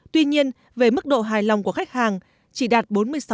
tuy nhiên về mức độ hài lòng của khách hàng chỉ đạt bốn mươi sáu